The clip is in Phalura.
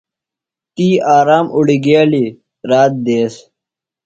تی آرام اُڑگیلیۡ رات دیس